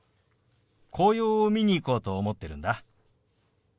紅葉を見に行こうと思ってるんだ。